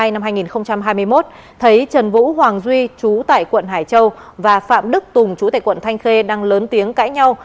năm hai nghìn hai mươi một thấy trần vũ hoàng duy chú tại quận hải châu và phạm đức tùng chú tại quận thanh khê đang lớn tiếng cãi nhau